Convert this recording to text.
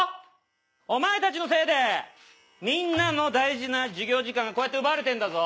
お前たちのせいでみんなの大事な授業時間が奪われてんだぞ！